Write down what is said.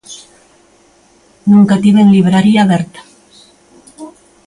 Nunca tiven libraría aberta.